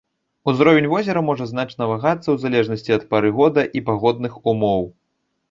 Узровень возера можа значна вагацца у залежнасці ад пары года і пагодных умоў.